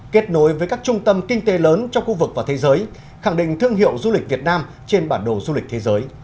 kết nối với các trung tâm kinh tế lớn trong khu vực và thế giới khẳng định thương hiệu du lịch việt nam trên bản đồ du lịch thế giới